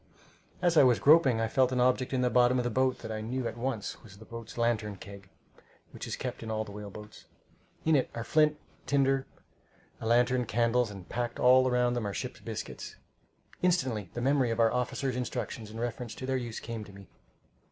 As I was groping, I felt an object in the bottom of the boat that I knew at once was the boat's lantern keg, which is kept in all whale boats. In it are flint, tinder, a lantern, candles, and packed all around them are ship's biscuits. Instantly the memory of our officers' instructions in reference to their use came to me.